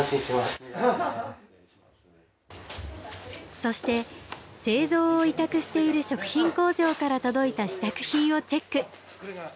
そして製造を委託している食品工場から届いた試作品をチェック。